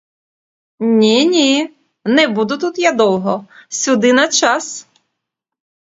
Ні, ні, не буду тут я довго, сюди — на час.